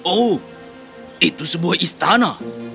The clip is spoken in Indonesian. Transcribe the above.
oh itu sebuah istana